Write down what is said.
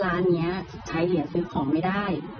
ร้านนี้ใช้เหลือซื้อของไม่ได้